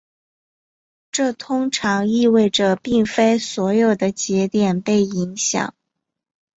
这通常意味着并非所有的节点被影响。